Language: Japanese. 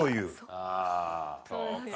ああ。